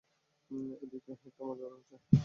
এ দিকে একটা মাজার আছে।